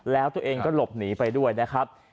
แล้วตัวเองก็หลบหนีไปด้วยนะครับ